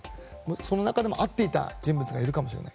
その中でも会っていた人物がいるかもしれない。